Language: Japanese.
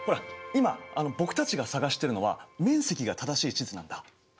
今僕たちが探してるのは面積が正しい地図なんだ。